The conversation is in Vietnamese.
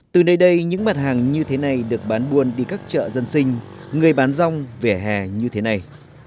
từ nơi đây những mặt hàng như thế này được bán buôn đi các chợ dân sinh người bán rong vỉa hè như thế này